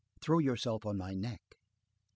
Throw yourself on my neck!" M.